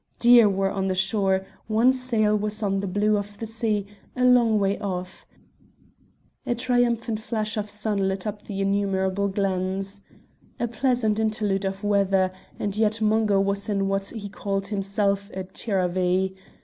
Deer were on the shore, one sail was on the blue of the sea, a long way off, a triumphant flash of sun lit up the innumerable glens. A pleasant interlude of weather, and yet Mungo was in what he called, himself, a tirravee.